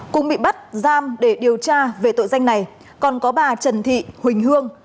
cũng bị bắt giam để điều tra về tội danh này còn có bà trần thị huỳnh hương